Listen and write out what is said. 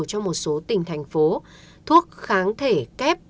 cho một số tỉnh thành phố thuốc kháng thể kép